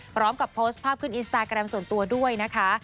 พร้อมกับโพสต์ภาพขึ้นอินสตาแกรมส่วนตัวด้วยนะคะ